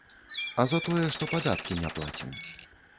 А за тое, што падаткі не плацім.